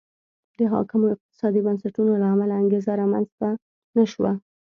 د حاکمو اقتصادي بنسټونو له امله انګېزه رامنځته نه شوه.